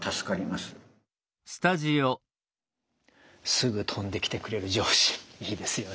すぐ飛んできてくれる上司いいですよね。